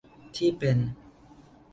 ที่เป็น